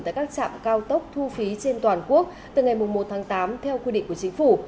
tại các trạm cao tốc thu phí trên toàn quốc từ ngày một tháng tám theo quy định của chính phủ